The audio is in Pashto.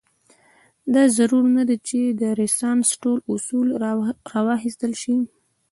دا ضرور نه ده چې د رنسانس ټول اصول راواخیستل شي.